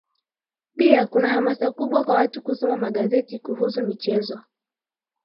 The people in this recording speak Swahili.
pia kuna hamasa kubwa kwa watu kusoma magazeti kuhusu michezo